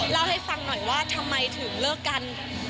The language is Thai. เล่าให้ฟังหน่อยว่าทำไมถึงเลิกกัน